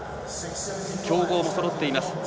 強豪もそろっています。